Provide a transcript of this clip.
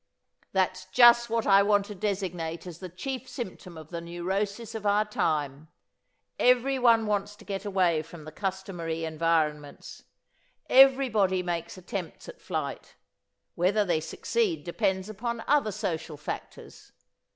"That's just what I want to designate as the chief symptom of the neurosis of our time. Everyone wants to get away from the customary environments. Everybody makes attempts at flight. Whether they succeed depends upon other social factors.